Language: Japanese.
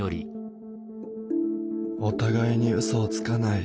「お互いに嘘をつかない」。